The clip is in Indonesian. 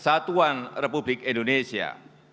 kesatuan republik indonesia